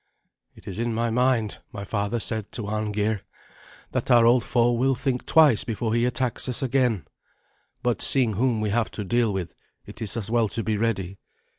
"It is in my mind," my father said to Arngeir, "that our old foe will think twice before he attacks us again; but seeing whom we have to deal with, it is as well to be ready.